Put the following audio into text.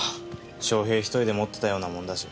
翔平１人でもってたようなもんだし。